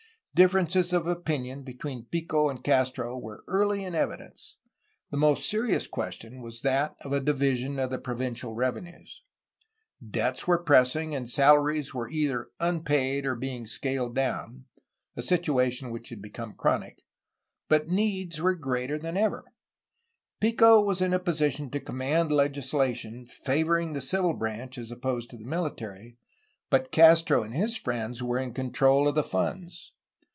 Differences of opinion between Pico and Castro were early in evidence. The most serious question was that of a division of the provincial revenues. Debts were 484 A HISTORY OF CALIFORNIA pressing, and salaries were either unpaid or being scaled down, — a situation which had become chronic, — but needs were greater than ever. Pico was in a position to command legislation, favoring the civil branch as opposed to the mili tary, but Castro and his friends were in control of the funds.